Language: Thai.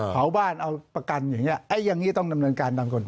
เผาบ้านเอาประกันอย่างนี้อย่างนี้ต้องดำเนินการตามกฎหมาย